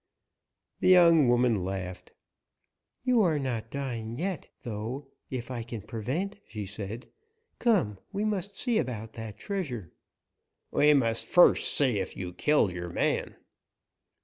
The young woman laughed. "You are not dying yet, though, if I can prevent," she said. "Come, we must see about that treasure." "We must first see if you killed your man."